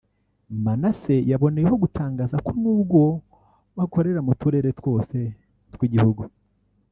Manasseh yaboneyeho gutangaza ko nubwo bakorera mu turere twose tw’igihugu